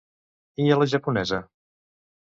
I a la japonesa?